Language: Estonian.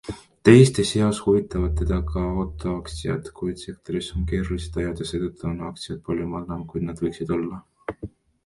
Teiste seas huvitavad teda ka autoaktsiad, kuid sektoris on keerulised ajad ja seetõttu on aktsiad palju madalamal kui nad võiksid olla.